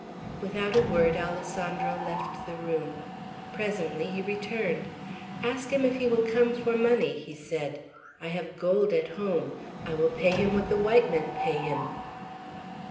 Without a word Alessandro left the room. Presently he returned. "Ask him if he will come for money?" he said. "I have gold at home. I will pay him, what the white men pay him."